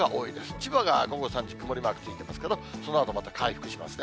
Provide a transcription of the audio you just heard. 千葉が午後３時、曇りマークついてますけど、そのあとまた回復しますね。